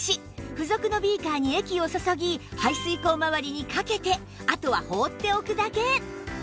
付属のビーカーに液を注ぎ排水口まわりにかけてあとは放っておくだけ